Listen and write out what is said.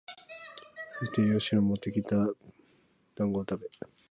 そして猟師のもってきた団子をたべ、